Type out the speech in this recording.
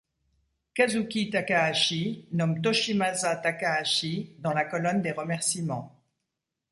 Kazuki Takahashi nomme Toshimasa Takahashi dans la colonne des remerciements.